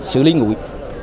xử lý nguội